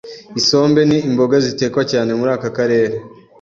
isombe ni imboga zitekwa cyane muri aka karere